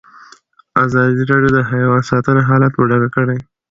ازادي راډیو د حیوان ساتنه حالت په ډاګه کړی.